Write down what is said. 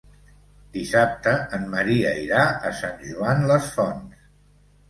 Dissabte en Maria irà a Sant Joan les Fonts.